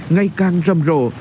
ngày càng râm rộ